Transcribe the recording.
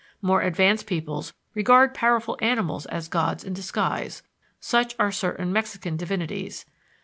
More advanced peoples regard powerful animals as gods in disguise (such are certain Mexican divinities).